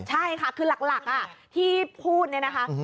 ใช่ค่ะคือหลักที่พูดนะครับ